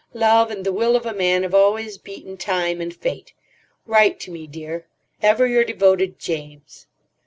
Love and the will of a man have always beaten Time and Fate. Write to me, dear. _Ever your devoted James.